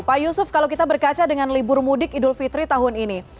pak yusuf kalau kita berkaca dengan libur mudik idul fitri tahun ini